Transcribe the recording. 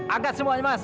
angkat semuanya mas